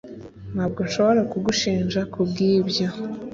ntabwo nshobora kugushinja kubwibyo